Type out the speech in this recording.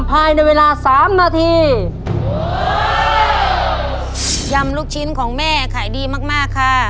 ภายในเวลาสามนาทียำลูกชิ้นของแม่ขายดีมากมากค่ะ